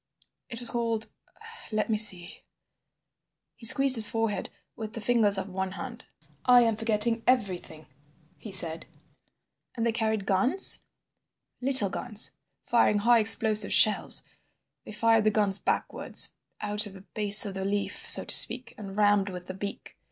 It was called—let me see—" He squeezed his forehead with the fingers of one hand. "I am forgetting everything," he said. "And they carried guns?" "Little guns, firing high explosive shells. They fired the guns backwards, out of the base of the leaf, so to speak, and rammed with the beak.